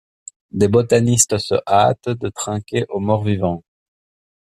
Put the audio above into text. Des botanistes se hâtent de trinquer au mort-vivant.